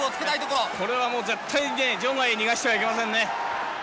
これは絶対に場外に逃がしてはいけませんね。